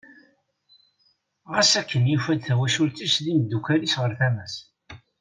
Ɣas akken yufa-d tawacult-is d yimddukal-is ɣer tama-s.